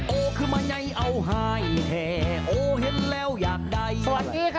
โอ้คือมะไยเอาไห้แทโอ้เห็นแล้วอยากได้สวัสดีครับ